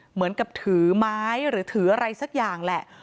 เหมือนกับถือไม้หรือถืออะไรสักอย่างแหละ